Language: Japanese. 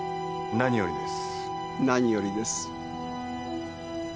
何よりです。